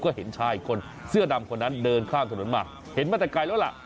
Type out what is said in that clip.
ก็เห็นชายคนเสื้อดำคนนั้นเดินข้ามถนนมาเห็นมาแต่ไกลแล้วล่ะ